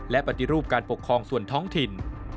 และปฏิรูปการปกครองส่วนท้องถิ่น